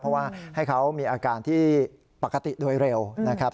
เพราะว่าให้เขามีอาการที่ปกติโดยเร็วนะครับ